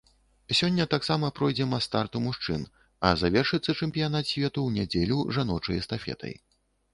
Сёння таксама пройдзе мас-старт у мужчын, а завершыцца чэмпіянат свету ў нядзелю жаночай эстафетай.